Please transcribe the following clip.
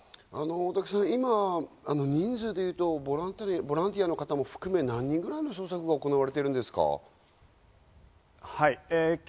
大竹さん、今人数でいうとボランティアの方も含め何人くらいの捜索が行われているんですか？